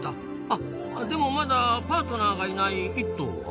あっでもまだパートナーがいない１頭は？